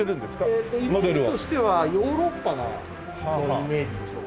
えっとイメージとしてはヨーロッパなイメージでしょうか。